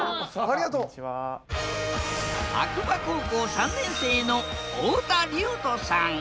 白馬高校３年生の太田硫斗さん。